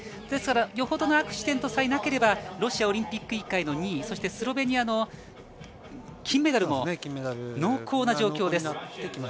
ですから、よほどのアクシデントさえなければロシアオリンピック委員会の２位そしてスロベニアの金メダルも濃厚な状況です。